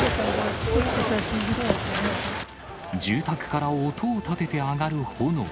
住宅から音を立てて上がる炎。